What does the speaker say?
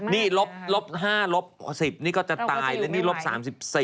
นี่ลบ๕ลบ๑๐นี่ก็จะตายแล้วนี่ลบ๓๔